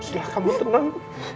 silahkan kamu tenang